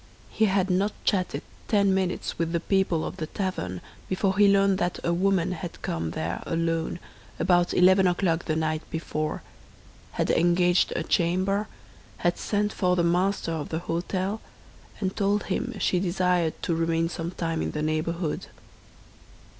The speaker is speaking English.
He had not chatted ten minutes with the people of the tavern before he learned that a woman had come there alone about eleven o'clock the night before, had engaged a chamber, had sent for the master of the hôtel, and told him she desired to remain some time in the neighborhood.